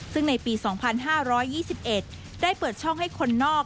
ซึ่งในปี๒๕๒๑ได้เปิดช่องให้คนนอก